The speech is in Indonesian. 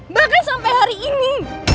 bahkan sampai hari ini